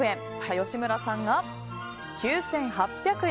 吉村さんが９８００円。